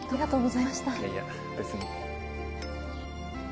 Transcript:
いやいや別に。